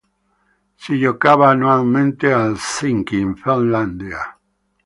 Si giocava annualmente a Helsinki in Finlandia.